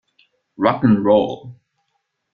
Rock ’n’ Roll".